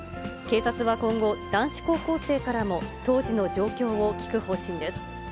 警察は今後、男子高校生からも当時の状況を聞く方針です。